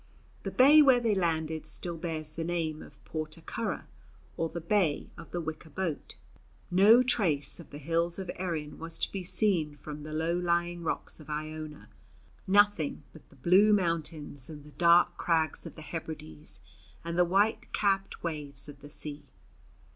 The bay where they landed still bears the name of Port'a Curraigh or "the Bay of the Wicker Boat." No trace of the hills of Erin was to be seen from the low lying rocks of Iona, nothing but the blue mountains and the dark crags of the Hebrides and the white capped waves of the sea.